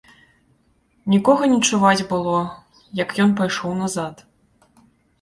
Нікога не чуваць было, як ён пайшоў назад.